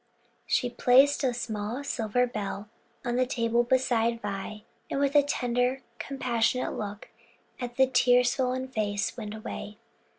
She placed a small silver bell on the table beside Vi, and with a tender, compassionate look at the tear swollen face, went away.